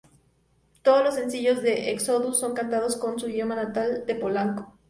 Todos los sencillos de Exodus son cantados en su idioma natal, el polaco.